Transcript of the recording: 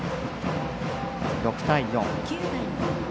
６対４。